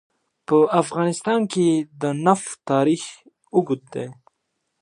په افغانستان کې د نفت تاریخ اوږد دی.